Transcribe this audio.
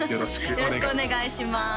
よろしくお願いします